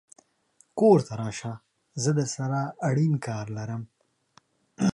کور ته راشه زه درسره اړين کار لرم